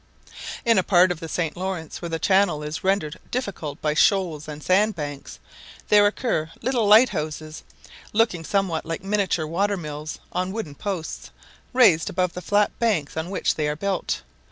In a part of the St. Laurence, where the channel is rendered difficult by shoals and sand banks, there occur little lighthouses, looking somewhat like miniature watermills, on wooden posts, raised above the flat banks on which they are built.